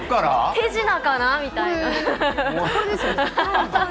手品かな？みたいな。